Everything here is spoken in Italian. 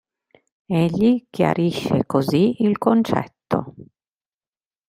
Egli chiarisce così il concetto.